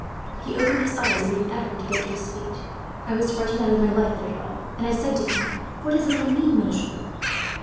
He opened his eyes, and made an effort to get to his feet. I was frightened out of my life at it all, and I said to him: "'"What does it all mean, monsieur?"